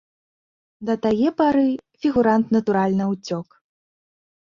Да тае пары фігурант, натуральна, уцёк.